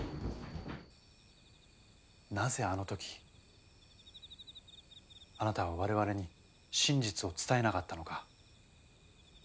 なぜあの時あなたは我々に真実を伝えなかったのか。